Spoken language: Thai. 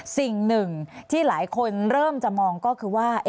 สิ่งหนึ่งที่หลายคนเริ่มจะมองก็คือว่า